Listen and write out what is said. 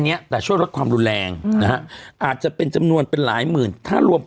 เนี้ยแต่ช่วยลดความรุนแรงนะฮะอาจจะเป็นจำนวนเป็นหลายหมื่นถ้ารวม